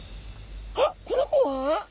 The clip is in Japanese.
あっこの子は？